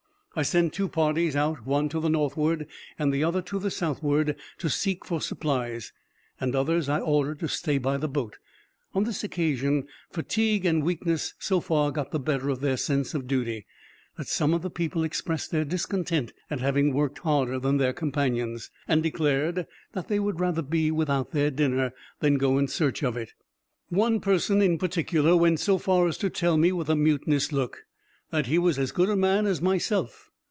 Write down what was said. I sent two parties out, one to the northward, and the other to the southward, to seek for supplies, and others I ordered to stay by the boat. On this occasion fatigue and weakness so far got the better of their sense of duty, that some of the people expressed their discontent at having worked harder than their companions, and declared that they would rather be without their dinner, than go in search of it. One person, in particular, went so far as to tell me, with a mutinous look, that he was as good a man as myself.